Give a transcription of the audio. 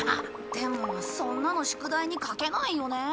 でもそんなの宿題に書けないよね。